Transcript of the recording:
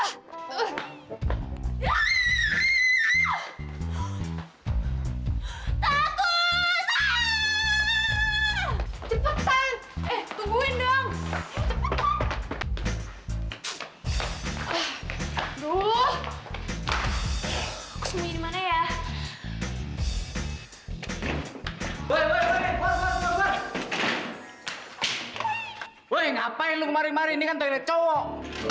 hei ngapain lo kemari mari ini kan target cowok